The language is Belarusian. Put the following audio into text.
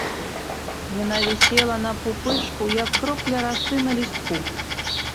Яна вісела на пупышку, як кропля расы на лістку.